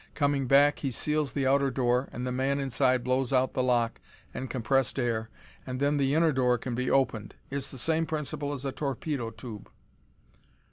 Coming back, he seals the outer door and the man inside blows out the lock and compressed air and then the inner door can be opened. It is the same principle as a torpedo tube."